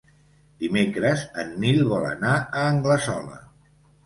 Dimecres en Nil vol anar a Anglesola.